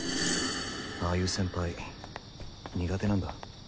ああいう先輩苦手なんだ。